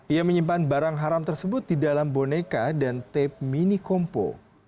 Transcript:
ia menyimpan barang haram tersebut di dalam boneka dan tape mini kompo